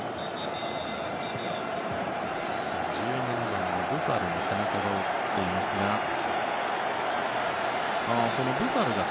１７番のブファルの背中が映っていましたが。